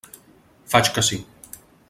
Faig que sí.